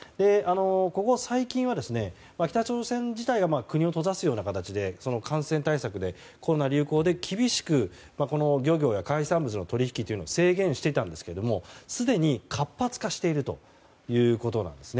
ここ最近は北朝鮮自体が国を閉ざすような形で感染対策、コロナ流行で厳しく、漁業や海産物の取り引きというのを制限していたんですがすでに活発化しているということなんですね。